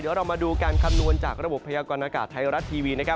เดี๋ยวเรามาดูการคำนวณจากระบบพยากรณากาศไทยรัฐทีวีนะครับ